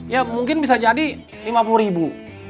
ya mungkin bisa jadi lima puluh ribu